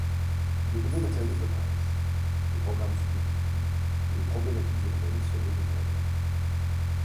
De nouveaux matériaux apparaissent, les programmes se multiplient, les problématiques urbaines se renouvellent.